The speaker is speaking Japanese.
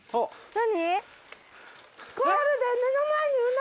何？